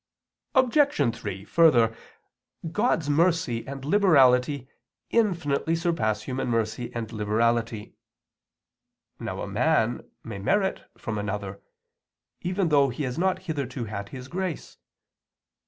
Obj. 3: Further, God's mercy and liberality infinitely surpass human mercy and liberality. Now a man may merit from another, even though he has not hitherto had his grace.